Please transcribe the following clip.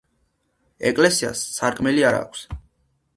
ეკლესიას სარკმლები არ აქვს.